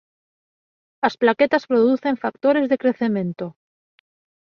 As plaquetas producen factores de crecemento.